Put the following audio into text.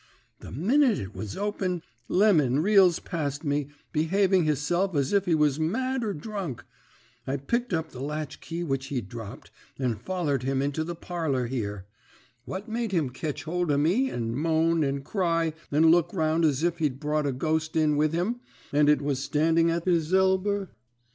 The minute it was open Lemon reels past me, behaving hisself as if he was mad or drunk. I picked up the latchkey which he'd dropped, and follered him into the parlour here. What made him ketch hold of me, and moan, and cry, and look round as if he'd brought a ghost in with him, and it was standing at his elber?